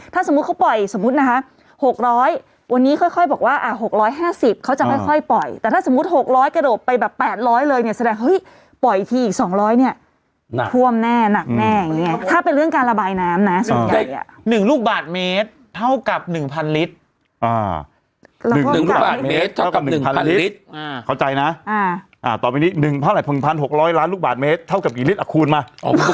ตอนนี้๑พระอาหารพรรณ๑๖๐๐ล้านลูกบาทเมตรเท่ากับกี่ลิตรอะคูณมา